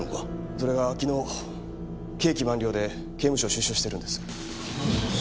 それが昨日刑期満了で刑務所を出所しているんです。